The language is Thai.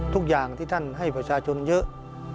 ทุกอย่างที่ท่านให้ประชาชนเยอะ